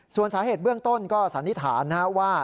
ส่วนสาเหตุเบื้องต้นก็สันนิษฐานว่า